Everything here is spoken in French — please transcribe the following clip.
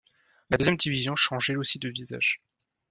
La deuxième division change elle aussi de visage.